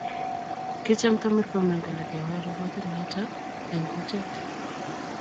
Kichamta Murkomen kole kewal ripotit noto ab eng kutit